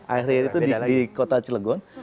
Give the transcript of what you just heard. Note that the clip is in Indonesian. al hayriyah itu di kota cilegon